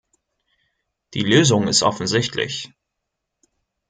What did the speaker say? Die Lösung ist offensichtlich.